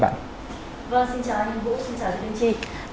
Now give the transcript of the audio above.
vâng xin chào anh vũ xin chào chị linh chi